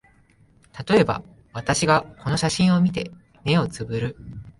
たとえば、私がこの写真を見て、眼をつぶる